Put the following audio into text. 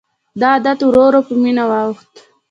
دا عادت ورو ورو په مینه واوښت.